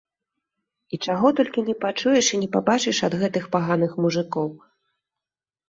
І чаго толькі не пачуеш і не пабачыш ад гэтых паганых мужыкоў!